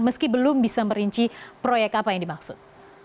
meski belum bisa merinci proyek apa yang dimaksud